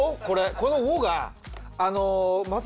この「を」が。